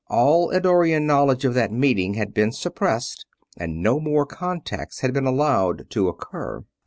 All Eddorian knowledge of that meeting had been suppressed and no more contacts had been allowed to occur.